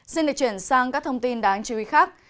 xin được chuyển sang các thông tin đáng chú ý khác